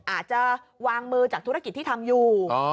อาจจะวางมือจากธุรกิจที่ทำอยู่